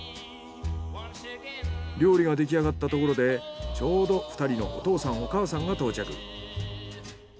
料理ができあがったところでちょうど２人のお父さんお母さんが到着。